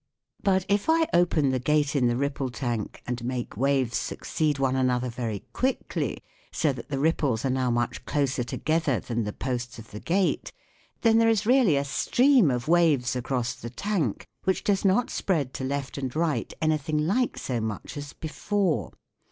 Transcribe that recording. But if I open the gate in the ripple tank and make waves succeed one another very quickly so that the ripples are now much closer together than the posts of the gate, then there is really a stream of waves across the tank which does not spread to left and right anything like so much as before.